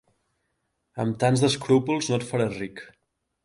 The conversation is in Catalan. Amb tants d'escrúpols no et faràs ric.